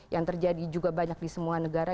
yang terjadi juga banyak di semua negara